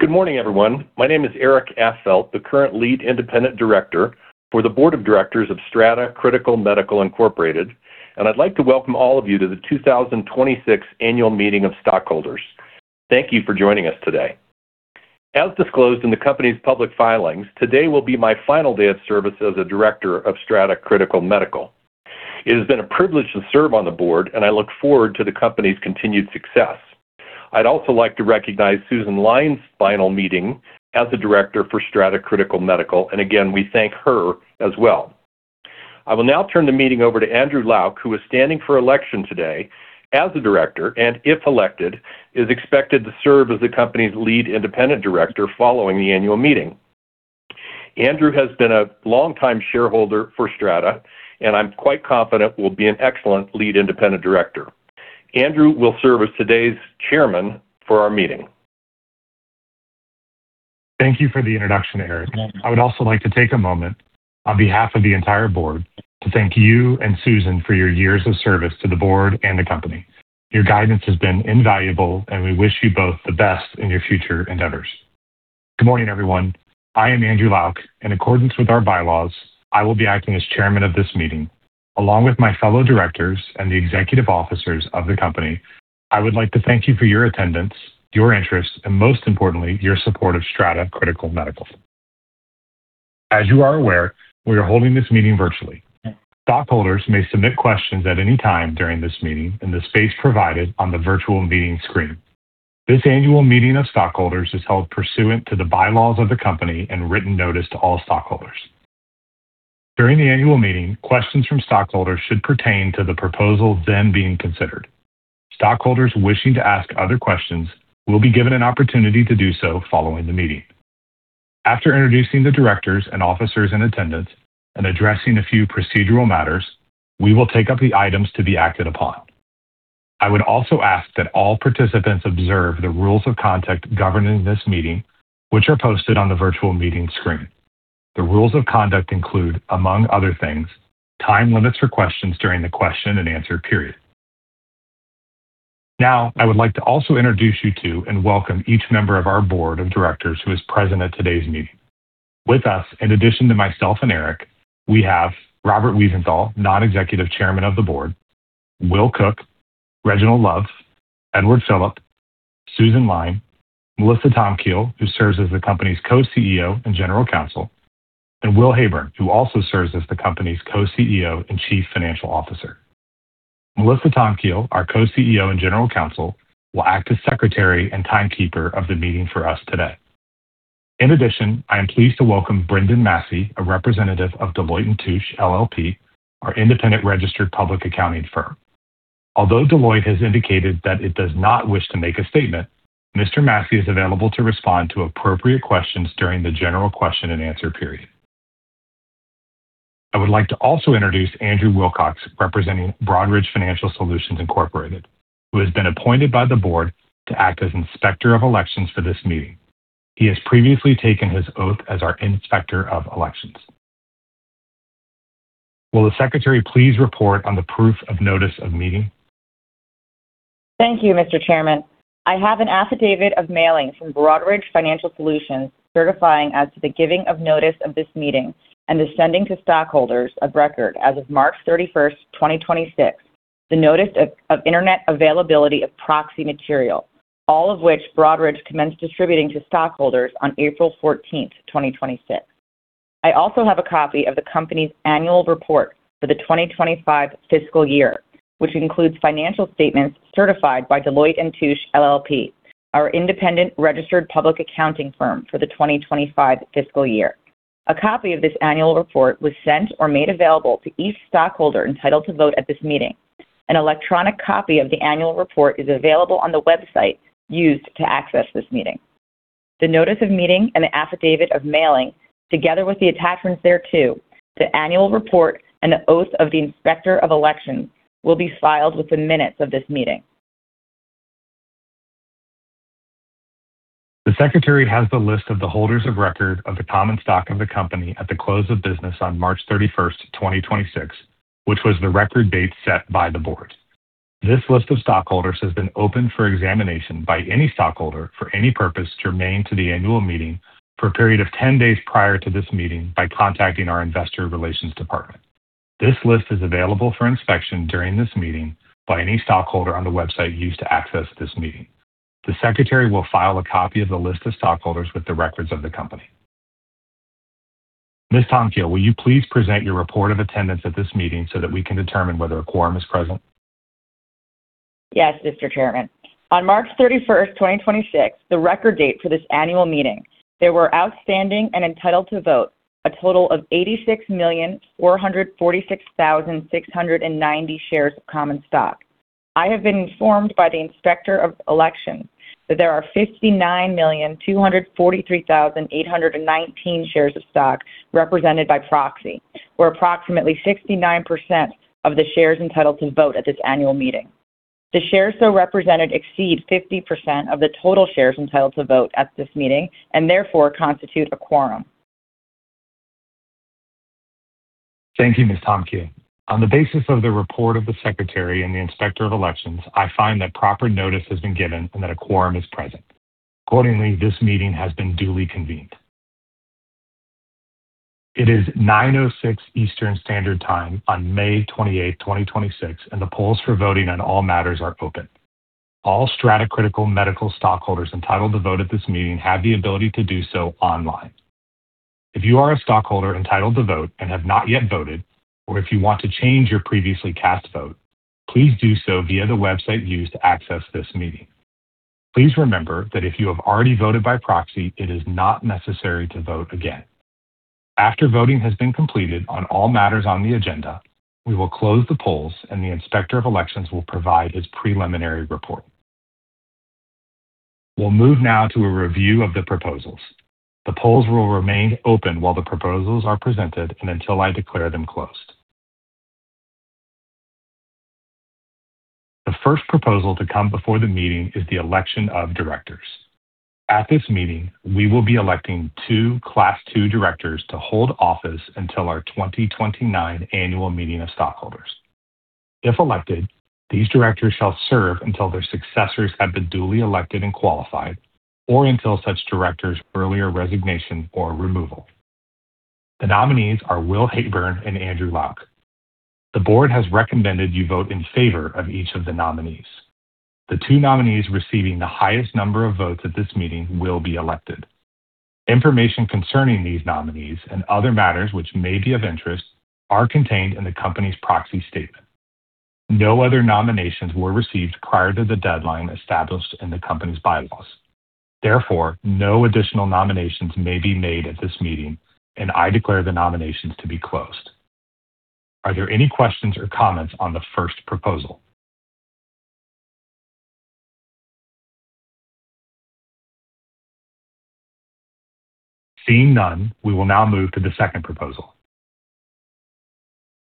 Good morning, everyone. My name is Eric Affeldt, the current lead independent director for the board of directors of Strata Critical Medical, Inc., and I'd like to welcome all of you to the 2026 Annual Meeting of Stockholders. Thank you for joining us today. As disclosed in the company's public filings, today will be my final day of service as a director of Strata Critical Medical. It has been a privilege to serve on the board, and I look forward to the company's continued success. I'd also like to recognize Susan Lyne's final meeting as a director for Strata Critical Medical, and again, we thank her as well. I will now turn the meeting over to Andrew Lauck, who is standing for election today as a director, and if elected, is expected to serve as the company's lead independent director following the annual meeting. Andrew has been a longtime shareholder for Strata and I'm quite confident will be an excellent Lead Independent Director. Andrew will serve as today's Chairman for our meeting. Thank you for the introduction, Eric. I would also like to take a moment on behalf of the entire board to thank you and Susan for your years of service to the board and the company. Your guidance has been invaluable, and we wish you both the best in your future endeavors. Good morning, everyone. I am Andrew Lauck. In accordance with our bylaws, I will be acting as chairman of this meeting. Along with my fellow directors and the executive officers of the company, I would like to thank you for your attendance, your interest, and most importantly, your support of Strata Critical Medical. As you are aware, we are holding this meeting virtually. Stockholders may submit questions at any time during this meeting in the space provided on the virtual meeting screen. This annual meeting of stockholders is held pursuant to the bylaws of the company and written notice to all stockholders. During the annual meeting, questions from stockholders should pertain to the proposal then being considered. Stockholders wishing to ask other questions will be given an opportunity to do so following the meeting. After introducing the directors and officers in attendance and addressing a few procedural matters, we will take up the items to be acted upon. I would also ask that all participants observe the rules of conduct governing this meeting, which are posted on the virtual meeting screen. The rules of conduct include, among other things, time limits for questions during the question and answer period. I would like to also introduce you to and welcome each member of our board of directors who is present at today's meeting. With us, in addition to myself and Eric, we have Robert Wiesenthal, non-executive chairman of the board, Will Cook, Reginald Love, Edward Philip, Susan Lyne, Melissa Tomkiel, who serves as the company's co-CEO and General Counsel, and Will Heyburn, who also serves as the company's co-CEO and chief financial officer. Melissa Tomkiel, our co-CEO and General Counsel, will act as secretary and timekeeper of the meeting for us today. In addition, I am pleased to welcome Brendan Massey, a representative of Deloitte & Touche LLP, our independent registered public accounting firm. Although Deloitte has indicated that it does not wish to make a statement, Mr. Massey is available to respond to appropriate questions during the general question and answer period. I would like to also introduce Andrew Wilcox, representing Broadridge Financial Solutions, Inc., who has been appointed by the board to act as Inspector of Elections for this meeting. He has previously taken his oath as our Inspector of Elections. Will the secretary please report on the proof of notice of meeting? Thank you, Mr. Chairman. I have an affidavit of mailing from Broadridge Financial Solutions certifying as to the giving of notice of this meeting and the sending to stockholders of record as of 31 March 2026, the notice of internet availability of proxy material, all of which Broadridge commenced distributing to stockholders on 14 April 2026. I also have a copy of the company's annual report for the 2025 fiscal year, which includes financial statements certified by Deloitte & Touche LLP, our independent registered public accounting firm for the 2025 fiscal year. A copy of this annual report was sent or made available to each stockholder entitled to vote at this meeting. An electronic copy of the annual report is available on the website used to access this meeting. The notice of meeting and the affidavit of mailing, together with the attachments thereto, the annual report, and the oath of the Inspector of Elections, will be filed with the minutes of this meeting. The secretary has the list of the holders of record of the common stock of the company at the close of business on 31 March 2026, which was the record date set by the board. This list of stockholders has been open for examination by any stockholder for any purpose germane to the annual meeting for a period of 10 days prior to this meeting by contacting our investor relations department. This list is available for inspection during this meeting by any stockholder on the website used to access this meeting. The secretary will file a copy of the list of stockholders with the records of the company. Ms. Tomkiel, will you please present your report of attendance at this meeting so that we can determine whether a quorum is present? Yes, Mr. Chairman. On 31 March 2026, the record date for this annual meeting, there were outstanding and entitled to vote a total of 86,446,690 shares of common stock. I have been informed by the Inspector of Elections that there are 59,243,819 shares of stock represented by proxy, or approximately 69% of the shares entitled to vote at this annual meeting. The shares so represented exceed 50% of the total shares entitled to vote at this meeting and therefore constitute a quorum. Thank you, Ms. Tomkiel. On the basis of the report of the Secretary and the Inspector of Elections, I find that proper notice has been given and that a quorum is present. Accordingly, this meeting has been duly convened. It is 9:06 A.M. Eastern Standard Time on 28 May 2026, and the polls for voting on all matters are open. All Strata Critical Medical stockholders entitled to vote at this meeting have the ability to do so online. If you are a stockholder entitled to vote and have not yet voted, or if you want to change your previously cast vote, please do so via the website used to access this meeting. Please remember that if you have already voted by proxy, it is not necessary to vote again. After voting has been completed on all matters on the agenda, we will close the polls and the Inspector of Elections will provide his preliminary report. We'll move now to a review of the proposals. The polls will remain open while the proposals are presented and until I declare them closed. The first proposal to come before the meeting is the election of directors. At this meeting, we will be electing two class 2 directors to hold office until our 2029 annual meeting of stockholders. If elected, these directors shall serve until their successors have been duly elected and qualified or until such director's earlier resignation or removal. The nominees are Will Heyburn and Andrew Lauck. The board has recommended you vote in favor of each of the nominees. The two nominees receiving the highest number of votes at this meeting will be elected. Information concerning these nominees and other matters which may be of interest are contained in the company's proxy statement. No other nominations were received prior to the deadline established in the company's bylaws. Therefore, no additional nominations may be made at this meeting, and I declare the nominations to be closed. Are there any questions or comments on the first proposal? Seeing none, we will now move to the second proposal.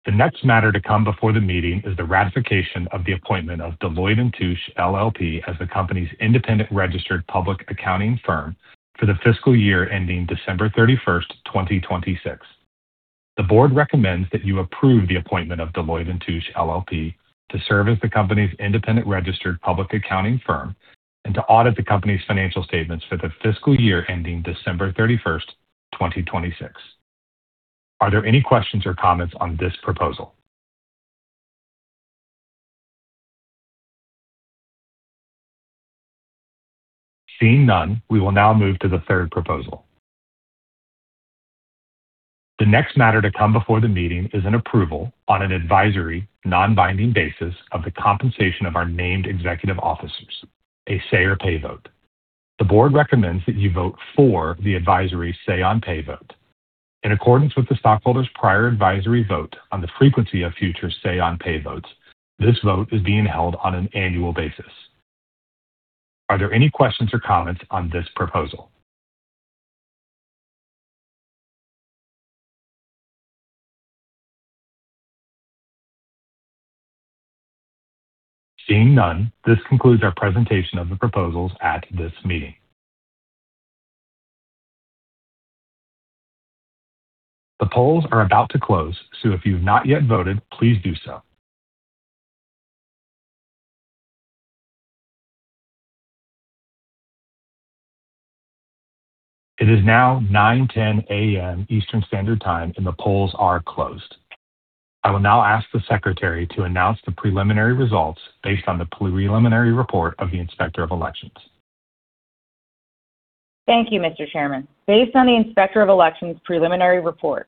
The next matter to come before the meeting is the ratification of the appointment of Deloitte & Touche LLP as the company's independent registered public accounting firm for the fiscal year ending 31 December 2026. The board recommends that you approve the appointment of Deloitte & Touche LLP to serve as the company's independent registered public accounting firm and to audit the company's financial statements for the fiscal year ending 31 December 2026. Are there any questions or comments on this proposal? Seeing none, we will now move to the third proposal. The next matter to come before the meeting is an approval on an advisory non-binding basis of the compensation of our named executive officers, a say on pay vote. The board recommends that you vote for the advisory say on pay vote. In accordance with the stockholders' prior advisory vote on the frequency of future say on pay votes, this vote is being held on an annual basis. Are there any questions or comments on this proposal? Seeing none, this concludes our presentation of the proposals at this meeting. The polls are about to close, so if you've not yet voted, please do so. It is now 9:10 A.M. Eastern Standard Time, and the polls are closed. I will now ask the Secretary to announce the preliminary results based on the preliminary report of the Inspector of Elections. Thank you, Mr. Chairman. Based on the Inspector of Elections preliminary report,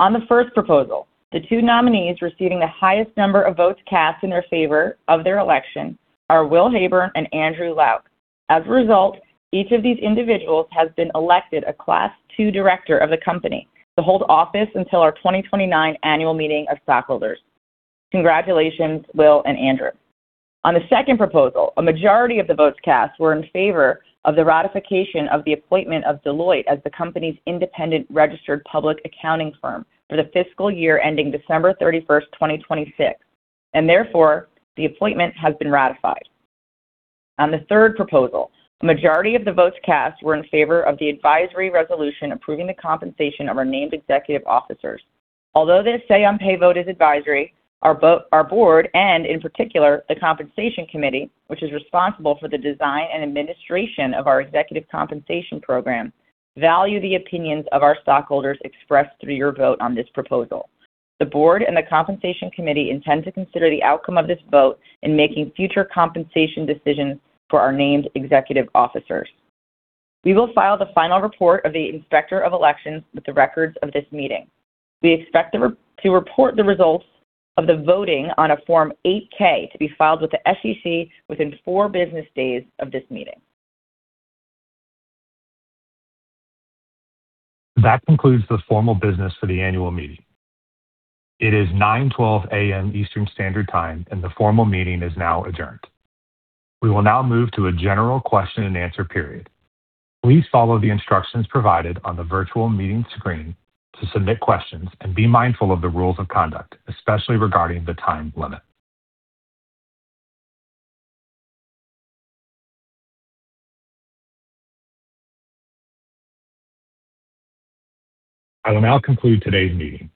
on the first proposal, the two nominees receiving the highest number of votes cast in their favor of their election are Will Heyburn and Andrew Lauck. As a result, each of these individuals has been elected a class two director of the company to hold office until our 2029 annual meeting of stockholders. Congratulations, Will and Andrew. On the second proposal, a majority of the votes cast were in favor of the ratification of the appointment of Deloitte as the company's independent registered public accounting firm for the fiscal year ending 31 December 2026, and therefore, the appointment has been ratified. On the third proposal, a majority of the votes cast were in favor of the advisory resolution approving the compensation of our named executive officers. Although this say on pay vote is advisory, our board and, in particular, the Compensation Committee, which is responsible for the design and administration of our executive compensation program, value the opinions of our stockholders expressed through your vote on this proposal. The board and the Compensation Committee intend to consider the outcome of this vote in making future compensation decisions for our named executive officers. We will file the final report of the Inspector of Elections with the records of this meeting. We expect to report the results of the voting on a Form 8-K to be filed with the SEC within four business days of this meeting. That concludes the formal business for the annual meeting. It is 9:12 A.M. Eastern Standard Time, and the formal meeting is now adjourned. We will now move to a general question and answer period. Please follow the instructions provided on the virtual meeting screen to submit questions and be mindful of the rules of conduct, especially regarding the time limit. I will now conclude today's meeting.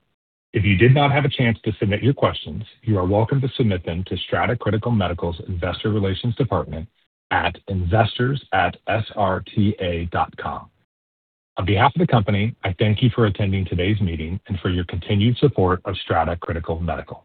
If you did not have a chance to submit your questions, you are welcome to submit them to Strata Critical Medical's Investor Relations Department at investors@srta.com. On behalf of the company, I thank you for attending today's meeting and for your continued support of Strata Critical Medical.